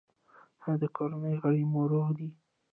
ایا د کورنۍ غړي مو روغ دي؟